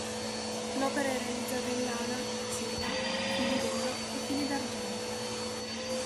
L'opera è realizzata in lana, seta, fili d'oro e fili d'argento.